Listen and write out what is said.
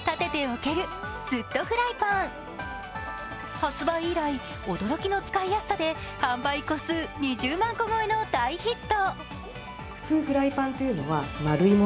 発売以来驚きの使いやすさで販売個数２０万個超えの大ヒット。